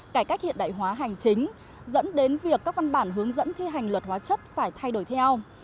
cải cách hiện đại hóa hành chính dẫn đến việc các văn bản hướng dẫn thi hành luật hóa chất phải thay đổi theo